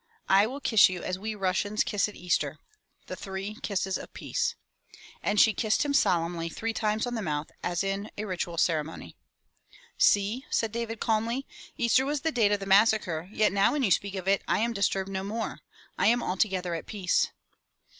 I will kiss you as we Russians kiss at Easter, the three kisses of peace." And she kissed him solemnly three times on the mouth as in a ritual ceremony. 214 FROM THE TOWER WINDOW "See," said David calmly. "Easter was the date of the massacre, yet now when you speak of it I am disturbed no more. I am altogether at peace."